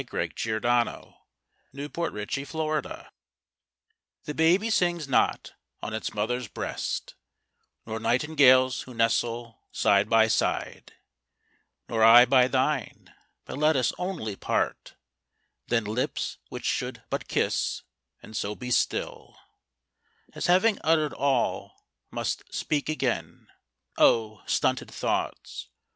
Bertrich in the Eifel, 1851. SONNET The baby sings not on its mother's breast; Nor nightingales who nestle side by side; Nor I by thine: but let us only part, Then lips which should but kiss, and so be still, As having uttered all, must speak again O stunted thoughts!